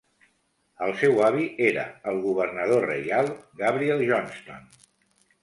El seu avi era el governador reial Gabriel Johnston.